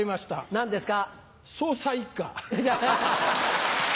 何ですか？